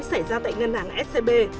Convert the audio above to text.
xảy ra tại ngân hàng scb